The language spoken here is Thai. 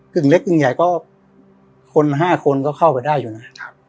ึ่งเล็กกึ่งใหญ่ก็คน๕คนก็เข้าไปได้อยู่นะ